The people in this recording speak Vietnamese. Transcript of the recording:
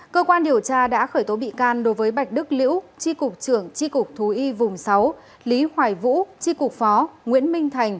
cơ quan điều tra đã khởi tố bị can đối với bạch đức liễu tri cục trưởng tri cục thú y vùng sáu lý hoài vũ tri cục phó nguyễn minh thành